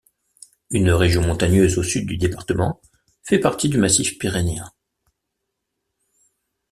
Une région montagneuse au sud du département fait partie du massif pyrénéen.